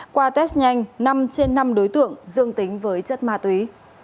qua test nhanh năm trên năm đối tượng dương tính với chất ma túy